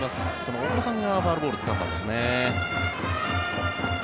お子さんがファウルボールをつかんだんですね。